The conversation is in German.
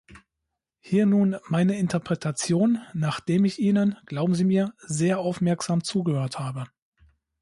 Hier nun meine Interpretation, nachdem ich Ihnen, glauben Sie mir, sehr aufmerksam zugehört habe.